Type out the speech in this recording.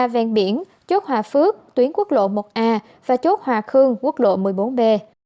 ven biển chốt hòa phước tuyến quốc lộ một a và chốt hòa khương quốc lộ một mươi bốn b